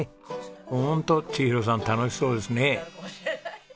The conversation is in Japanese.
ホント千尋さん楽しそうですね！